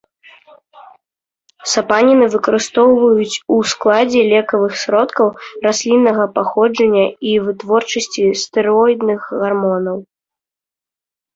Сапаніны выкарыстоўваюць ў складзе лекавых сродкаў расліннага паходжання і вытворчасці стэроідных гармонаў.